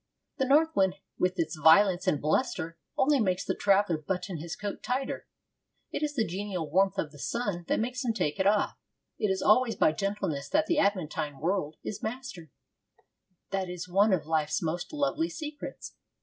The North Wind, with its violence and bluster, only makes the traveller button his coat the tighter. It is the genial warmth of the sun that makes him take it off. It is always by gentleness that the adamantine world is mastered. That is one of life's most lovely secrets.